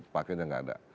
pakainya gak ada